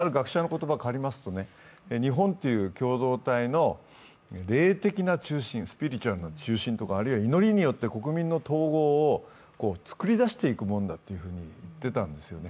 ある学者の言葉を借りますと、日本という共同体の霊的な中心とかあるいは祈りによって国民の統合をつくり出していくものだというふうに言っていたんですよね。